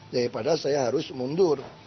daripada saya harus mundur